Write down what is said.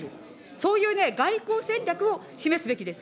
そういうね、外交戦略を示すべきです。